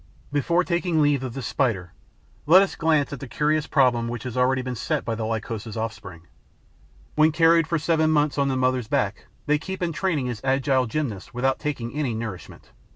Before taking leave of this Spider, let us glance at a curious problem which has already been set by the Lycosa's offspring. When carried for seven months on the mother's back, they keep in training as agile gymnasts without taking any nourishment.